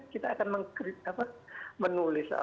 kita akan menulis